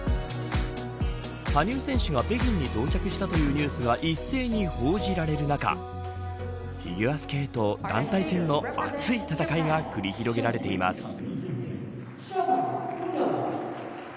羽生選手が北京に到着したというニュースが一斉に報じられる中フィギュアスケート団体戦の熱い戦いが繰り広げられています。